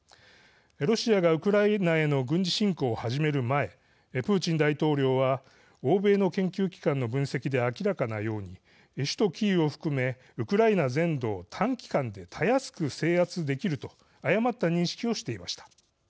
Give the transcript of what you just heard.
ロシアがウクライナへの軍事侵攻を始める前プーチン大統領は欧米の研究機関の分析で明らかなように首都キーウを含めウクライナ全土を短期間でたやすく制圧できると誤った認識をしていました。